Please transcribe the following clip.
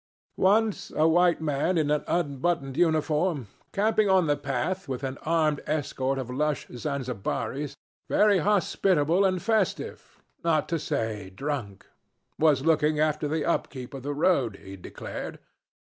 Once a white man in an unbuttoned uniform, camping on the path with an armed escort of lank Zanzibaris, very hospitable and festive not to say drunk. Was looking after the upkeep of the road, he declared.